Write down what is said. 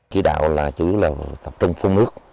kỹ đạo là chủ yếu là tập trung phun nước